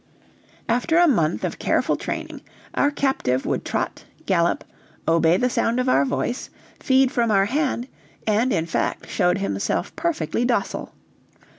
After a month of careful training, our captive would trot, gallop, obey the sound of our voice, feed from our hand; and, in fact, showed himself perfectly docile.